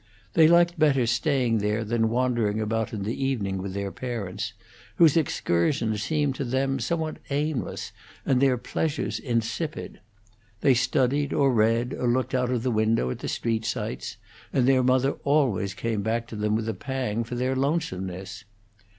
They liked better staying there than wandering about in the evening with their parents, whose excursions seemed to them somewhat aimless, and their pleasures insipid. They studied, or read, or looked out of the window at the street sights; and their mother always came back to them with a pang for their lonesomeness.